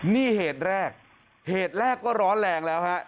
นี่เหตุแรกเหตุแรกก็ร้อนแรงแล้วฮะ